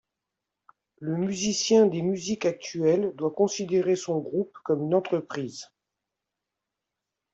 Le musicien des musiques actuelles doit considérer son groupe comme une entreprise.